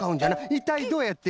いったいどうやって？